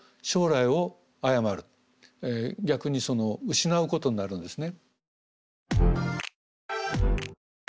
逆に失うことになるんですね。